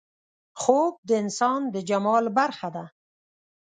خوب د انسان د جمال برخه ده